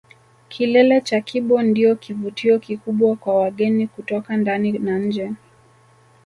Kilele cha Kibo ndio kivutio kikubwa kwa wageni kutoka ndani na nje